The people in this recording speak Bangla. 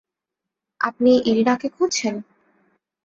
আপনি ইরিনাকে খুঁজছেন?